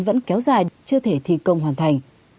vẫn kéo dài chưa thể thi công hoàn thành